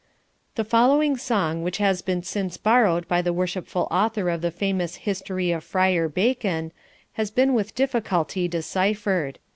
The following song which has been since borrowed by the worshipful author of the famous History of Fryar Bacon, has been with difficulty deciphered.